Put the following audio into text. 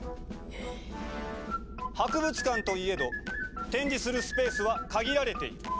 博物館といえど展示するスペースは限られている。